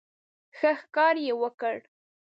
ښه ښکار یې وکړ.